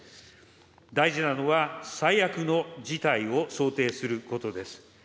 大事なのは最悪の事態を想定することです。